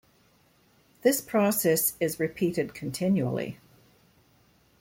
This process is repeated continually.